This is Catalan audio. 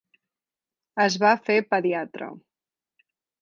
Es va fer pediatra.